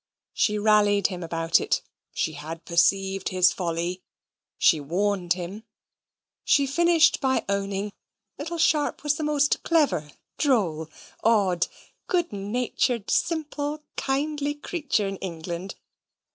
She rallied him about it; she had perceived his folly; she warned him; she finished by owning that little Sharp was the most clever, droll, odd, good natured, simple, kindly creature in England.